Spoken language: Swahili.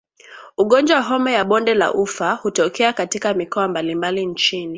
Ugonjwa wa homa ya bonde la ufa hutokea katika mikoa mbalimbali nchini